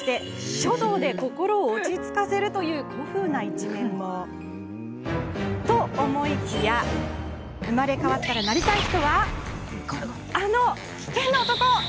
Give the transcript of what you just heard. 書道で心を落ち着かせる、なんて古風な一面も。と思いきや生まれ変わったらなりたい人はあの危険な男？